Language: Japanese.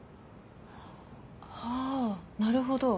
あなるほど。